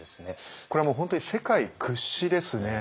これはもう本当に世界屈指ですね。